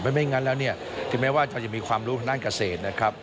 เพราะไม่งั้นแล้วที่แม้ว่าจะมีความรู้ขนาดเกษตร